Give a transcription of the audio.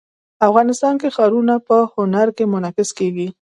افغانستان کې ښارونه په هنر کې منعکس کېږي.